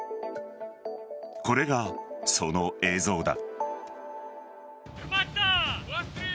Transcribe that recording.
これがその映像だ。